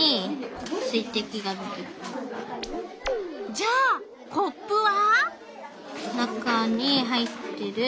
じゃあコップは？